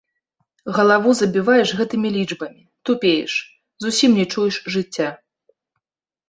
Галаву забіваеш гэтымі лічбамі, тупееш, зусім не чуеш жыцця.